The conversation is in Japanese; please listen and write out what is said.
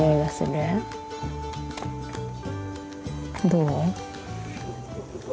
どう？